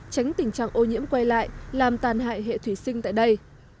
tránh tình trạng ô nhiễm quay lại làm tàn hại hệ thủy sinh tại đây